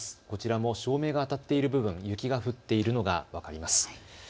こちらも照明が当たっている部分、雪が降っているのが分かります。